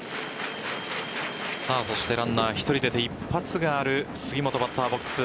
そしてランナー１人出て一発がある杉本バッターボックス。